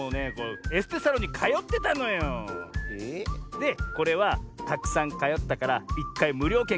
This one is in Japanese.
でこれはたくさんかよったから１かいむりょうけんがおくられてきたの。